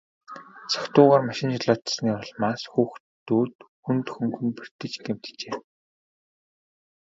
Согтуугаар машин жолоодсоны улмаас хүүхдүүд хүнд хөнгөн бэртэж гэмтжээ.